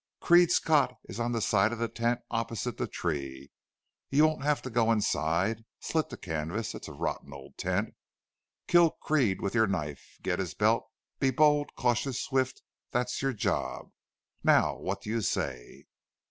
"Creede's cot is on the side of the tent opposite the tree. You won't have to go inside. Slit the canvas. It's a rotten old tent. Kill Creede with your knife.... Get his belt.... Be bold, cautious, swift! That's your job. Now what do you say?"